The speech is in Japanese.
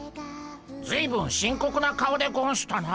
ずいぶん深刻な顔でゴンしたなあ。